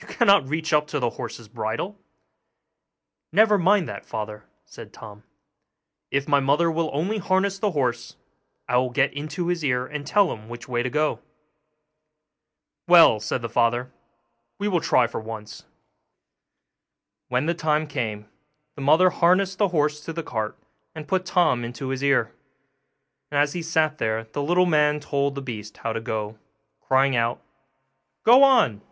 you cannot reach up to the horse's bridle.' 'Never mind that, father,' said Tom; 'if my mother will only harness the horse, I will get into his ear and tell him which way to go.' 'Well,' said the father, 'we will try for once.' When the time came the mother harnessed the horse to the cart, and put Tom into his ear; and as he sat there the little man told the beast how to go, crying out, 'Go on!